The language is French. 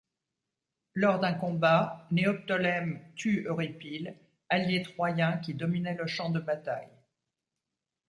Lors d'un combat, Néoptolème tue Eurypyle, allié troyen qui dominait le champ de bataille.